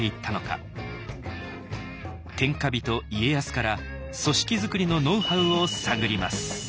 天下人家康から組織づくりのノウハウを探ります。